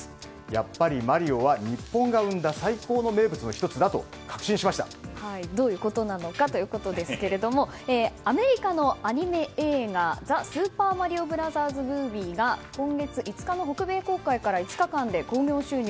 やっぱりマリオは日本が生んだ最高の名物の１つだとどういうことなのかですがアメリカのアニメ映画「ザ・スーパーマリオブラザーズ・ムービー」が今月５日の北米公開から５日間で興行収入